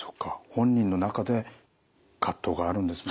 本人の中で葛藤があるんですね。